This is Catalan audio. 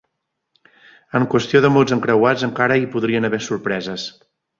En qüestió de mots encreuats, encara hi podrien haver sorpreses.